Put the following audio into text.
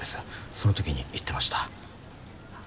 その時に言ってました。